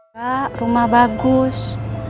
pak rumah bagus